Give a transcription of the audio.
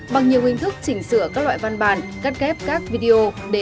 bằng nhiều hình thức chỉnh sửa các loại văn bản cắt kép các video để đăng trên fanpage